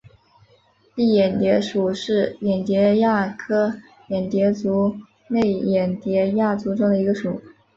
蔽眼蝶属是眼蝶亚科眼蝶族眉眼蝶亚族中的一个属。